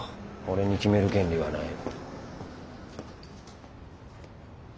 俺に決める権利はない。